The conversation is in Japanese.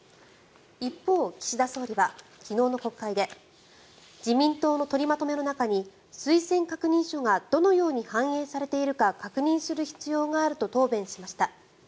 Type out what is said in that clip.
一方、岸田総理は昨日の国会で自民党の取りまとめの中に推薦確認書がどのように反映されているか確認する必要があると答弁しました。